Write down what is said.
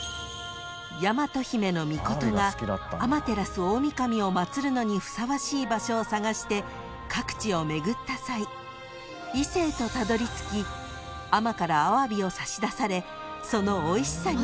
［倭姫命が天照大御神を祭るのにふさわしい場所を探して各地を巡った際伊勢へとたどり着き海女からアワビを差し出されそのおいしさに感激］